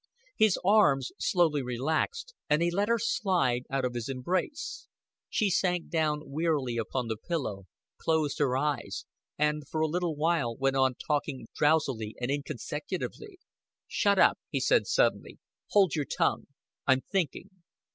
His arms slowly relaxed, and he let her slide out of his embrace. She sank down wearily upon the pillow, closed her eyes, and for a little while went on talking drowsily and inconsecutively. "Shut up," he said suddenly. "Hold your tongue. I'm thinking."